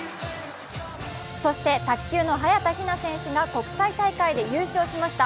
そして卓球の早田ひな選手が国際大会で優勝しました。